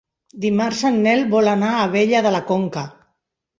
Dimarts en Nel vol anar a Abella de la Conca.